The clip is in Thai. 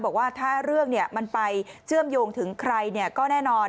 บอกว่าถ้าเรื่องมันไปเชื่อมโยงถึงใครก็แน่นอน